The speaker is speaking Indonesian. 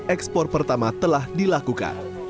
ekspor pertama telah dilakukan